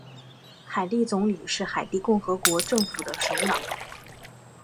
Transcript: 海地总理是海地共和国政府的首脑。